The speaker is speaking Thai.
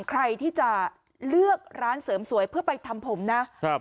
ใครที่จะเลือกร้านเสริมสวยเพื่อไปทำผมนะครับ